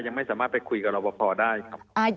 ยังไม่สามารถไปคุยกับรอบพอได้ครับ